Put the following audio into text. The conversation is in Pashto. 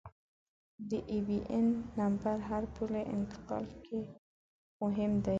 د آیبياېن نمبر هر پولي انتقال کې مهم دی.